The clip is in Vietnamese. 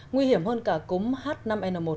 nguy hiểm hơn cả cúm h năm n một